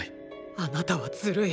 あなたはずるい。